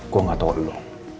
gue gak tahu lu